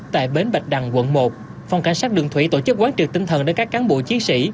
tại bến bạch đằng quận một phòng cảnh sát đường thủy tổ chức quán triệt tinh thần đến các cán bộ chiến sĩ